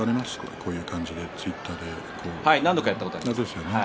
こういう感じでツイッターで何度かやったことがあります。